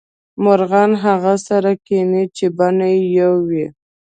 مرغان هغه سره کینې چې بڼې یو وې